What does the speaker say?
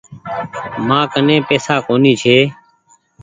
مآ ڪني پئيسا ڪونيٚ ڇي۔